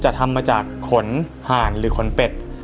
ทำมาจากขนห่านหรือขนเป็ด